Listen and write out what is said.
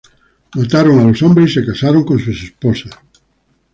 Ellos mataron a sus habitantes y se casaron con sus esposas.